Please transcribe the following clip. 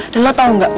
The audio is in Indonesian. dan lo tau gak